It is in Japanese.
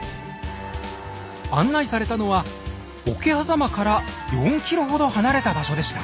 案内されたのは桶狭間から４ｋｍほど離れた場所でした。